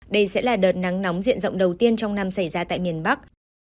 đây sẽ là đợt nắng nóng diện rộng đầu tiên trong năm xảy ra tại miền bắc